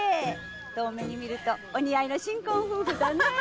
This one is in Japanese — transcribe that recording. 遠目に見るとお似合いの新婚夫婦だねえ！